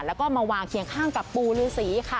แล้วก็มาวางเคียงข้างกับปูฤษีค่ะ